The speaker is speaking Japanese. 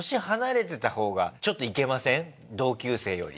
同級生より。